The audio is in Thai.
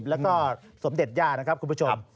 แล้วก็สมเด็จย่านะครับคุณผู้ชม